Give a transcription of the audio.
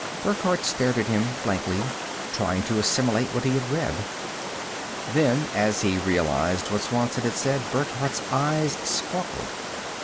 Burckhardt stared at him blankly, trying to assimilate what he had read. Then, as he realized what Swanson had said, Burckhardt's eyes sparked.